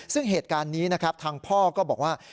ซึ่งเหตุการณ์นี้นะครับทางพ่อก็บอกว่า